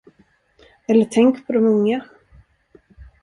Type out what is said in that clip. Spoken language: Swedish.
Eller tänk på de unga.